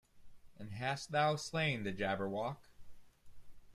And hast thou slain the Jabberwock?